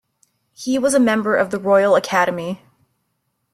He was a member of the Royal Academy.